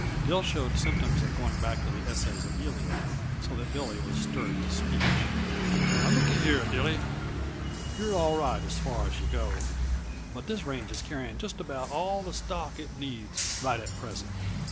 Dill showed symptoms of going back to "The Essays of Elia," so that Billy was stirred to speech. "Now, looky here, Dilly. You're all right, as far as yuh go but this range is carrying just about all the stock it needs right at present.